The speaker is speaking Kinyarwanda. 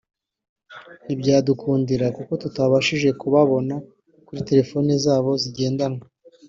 ntibyadukundira kuko tutabashije kubabona kuri telefone zabo zigendanwa